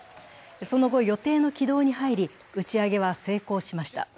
その後、予定の軌道に入り、打ち上げは成功しました。